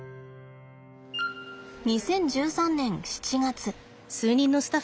２０１３年７月。